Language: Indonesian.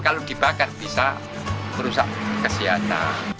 kalau dibakar bisa merusak kesehatan